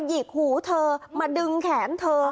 หิกหูเธอมาดึงแขนเธอ